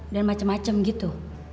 dan macem macem gitu